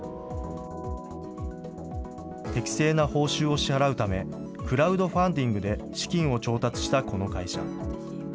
適正な報酬を支払うため、クラウドファンディングで資金を調達したこの会社。